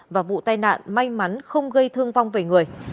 và vụ tai nạn may mắn không gây thương vong về người